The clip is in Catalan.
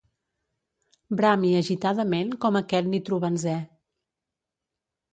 Brami agitadament com aquest nitrobenzè.